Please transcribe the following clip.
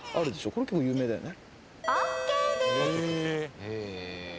これ結構有名だよね。